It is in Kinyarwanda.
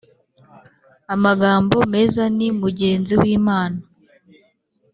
amagambo meza ni mugenzi w'Imana